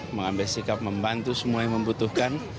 mengambil sikap membantu semua yang membutuhkan